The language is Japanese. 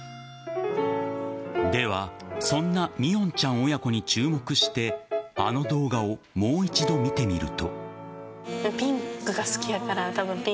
では、そんなみおんちゃん親子に注目してあの動画をもう一度見てみると。